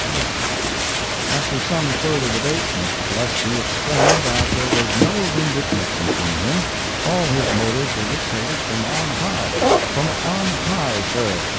—REP.] After some further debate, Mr. Gillespie explained that there was no vindictiveness in him—all his motives were dictated from on high—from on high, sir!